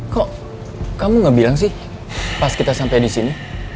kok kamu gak bilang sih pas kita sampai di sini